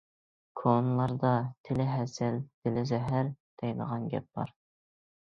كونىلاردا« تىلى ھەسەل، دىلى زەھەر» دەيدىغان گەپ بار.